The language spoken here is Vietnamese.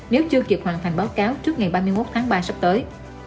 nếu chưa kịp hoàn thành báo cáo trước ngày ba mươi một tháng ba sắp tới